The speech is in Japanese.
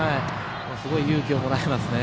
すごい勇気をもらえますね。